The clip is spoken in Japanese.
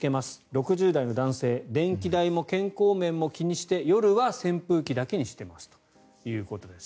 ６０代男性電気代も健康面も気にして夜は扇風機だけにしていますということです。